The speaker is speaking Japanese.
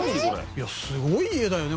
いやすごい家だよね